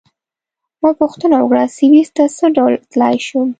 ما پوښتنه وکړه: سویس ته څه ډول تلای شم؟